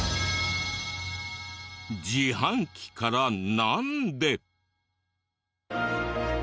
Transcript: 自販機からなんで。